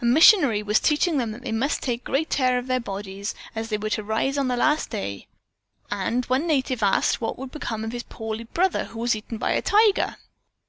A missionary was teaching them that they must take great care of their bodies, as they were to rise on the last day, and one native asked what would become of his poor brother who had been eaten by a tiger."